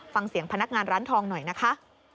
ฟังเสียงพนักงานร้านทองหน่อยนะคะ